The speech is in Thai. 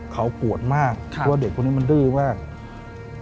เขาปวดมากเพราะว่าเด็กคนนี้มันดื้อมาก